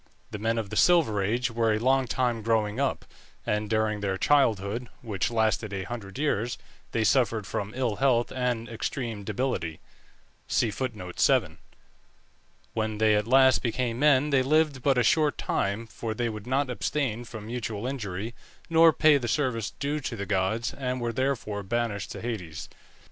The men of the Silver Age were a long time growing up, and during their childhood, which lasted a hundred years, they suffered from ill health and extreme debility. When they at last became men they lived but a short time, for they would not abstain from mutual injury, nor pay the service due to the gods, and were therefore banished to Hades.